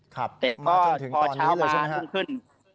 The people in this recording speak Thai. ครับมาจนถึงตอนนี้เลยใช่ไหมครับพอเช้ามาก็หลุมขึ้น